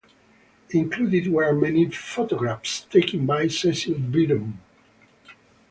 Included were many photographs taken by Cecil Beaton.